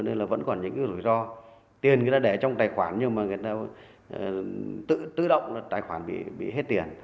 nên người ta để trong tài khoản nhưng mà người ta tự động là tài khoản bị hết tiền